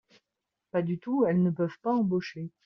Pas du tout, elles ne peuvent pas embaucher.